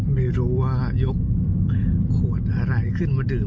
ไม่รู้ว่ายกขวดอะไรขึ้นมาดื่ม